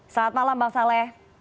selamat malam bang saleh